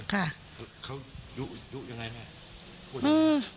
เค้าอยู่ยังไงแม่